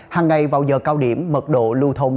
hàng ngày vào giờ cao điểm mật độ lưu thông